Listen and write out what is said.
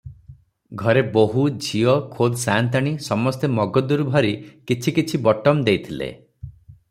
ଘରେ ବୋହୂ, ଝିଅ, ଖୋଦ ସାନ୍ତାଣୀ, ସମସ୍ତେ ମଗଦୁର ଭରି କିଛି କିଛି ବଟମ ଦେଇଥିଲେ ।